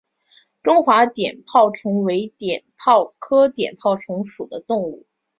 中华碘泡虫为碘泡科碘泡虫属的动物。